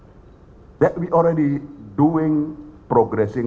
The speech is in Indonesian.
itu sudah berkembang dengan baik